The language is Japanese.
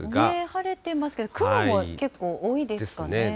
晴れてますけど、雲も結構多いですかね。ですね。